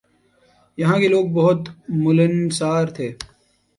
یہاں کے لوگ بہت ملنسار تھے ۔